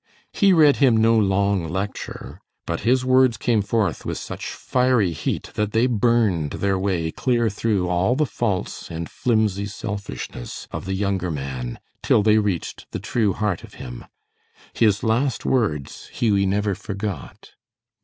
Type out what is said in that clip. He read him no long lecture, but his words came forth with such fiery heat that they burned their way clear through all the faults and flimsy selfishness of the younger man till they reached the true heart of him. His last words Hughie never forgot.